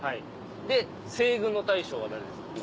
で西軍の大将は誰ですか？